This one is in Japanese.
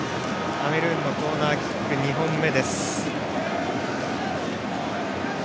カメルーンのコーナーキックは２本目。